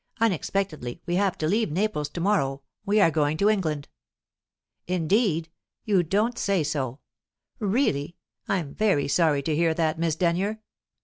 Unexpectedly, we have to leave Naples to morrow; we are going to England." "Indeed? You don't say so! Really, I'm very sorry to hear that, Miss Denyer."